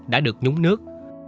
đã được nhúng nước